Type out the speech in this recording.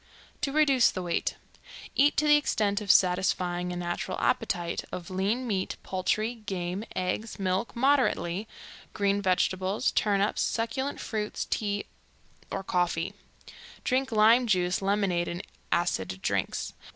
To reduce the weight: Eat to the extent of satisfying a natural appetite, of lean meat, poultry, game, eggs, milk moderately, green vegetables, turnips, succulent fruits, tea or coffee. Drink lime juice, lemonade, and acid drinks.